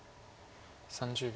３０秒。